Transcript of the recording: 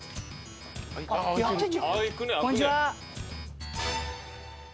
こんにちは！